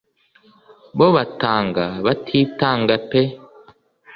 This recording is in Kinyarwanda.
bo batanga batitanga pe